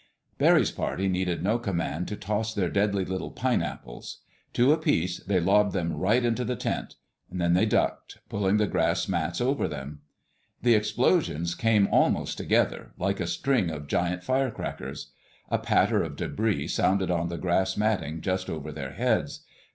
Barry's party needed no command to toss their deadly little "pineapples." Two apiece, they lobbed them right into the tent. Then they ducked, pulling the grass mats over them. The explosions came almost together—like a string of giant firecrackers. A patter of debris sounded on the grass matting just over their heads.